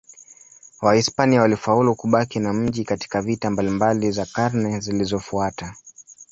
Wahispania walifaulu kubaki na mji katika vita mbalimbali za karne zilizofuata.